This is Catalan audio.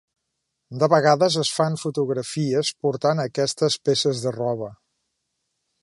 De vegades es fan fotografies portant aquestes peces de roba.